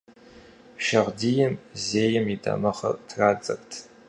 Шагъдийм зейм и дамыгъэр традзэрт.